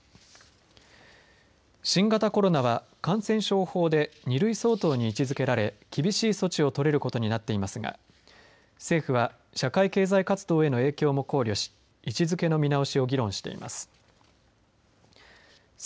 新型コロナは感染症法で２類相当に位置づけられ厳しい措置を取れることになっていますが政府は社会経済活動への影響も考慮し位置づけの見直しの議論しています。